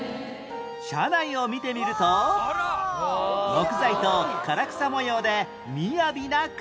車内を見てみると木材と唐草模様でみやびな空間が